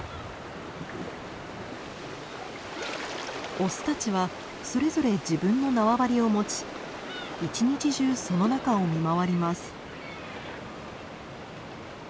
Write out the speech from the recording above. オスたちはそれぞれ自分の縄張りを持ち一日中その中を見回ります。